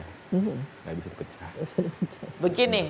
gak bisa dipecah